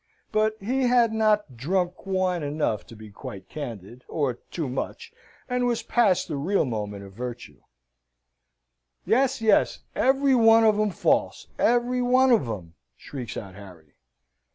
But he had not drunk wine enough to be quite candid, or too much, and was past the real moment of virtue. "Yes, yes, every one of 'em false every one of 'em!" shrieks out Harry.